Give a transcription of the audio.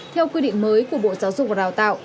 theo quy định mới của bộ giáo dục và đào tạo